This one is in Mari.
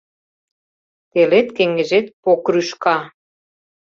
Телет-кеҥежет покрӱшка.